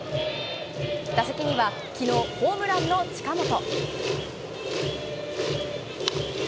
打席には、きのうホームランの近本。